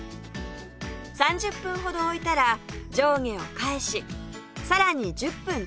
３０分ほどおいたら上下を返しさらに１０分漬けましょう